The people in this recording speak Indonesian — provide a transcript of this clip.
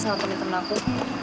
ini satu dari temen aku